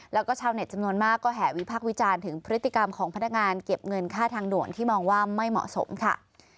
แล้วก็ชาวเน็ตจำนวนมากก็แห่วิพักษ์วิจารณ์ถึงพฤติกรรมของพนักงานเก็บเงินค่าทางด่วนที่มองว่าไม่เหมาะสมค่ะ